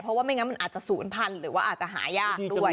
เพราะว่าไม่งั้นมันอาจจะศูนย์พันธุ์หรือว่าอาจจะหายากด้วย